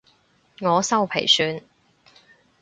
我修皮算